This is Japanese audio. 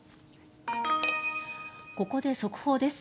ここで速報です。